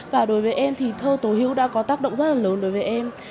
và đối với em thì thơ tố hữu đã có tác động rất là lớn đối với em